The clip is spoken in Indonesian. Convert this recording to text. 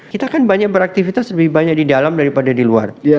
kita kan banyak beraktivitas lebih banyak di dalam daripada di luar